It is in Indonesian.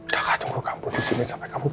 kakak tunggu kamu disini sampai kamu buka mata